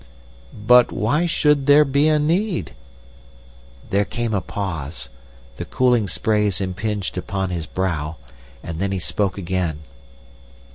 "'But why should there be a need—?' "There came a pause, the cooling sprays impinged upon his brow, and then he spoke again."